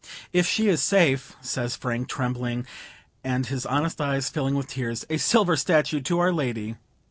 "If she is safe," says Frank, trembling, and his honest eyes filling with tears, "a silver statue to Our Lady!"